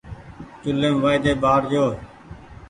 چوليم وآئيۮي ٻآڙ جو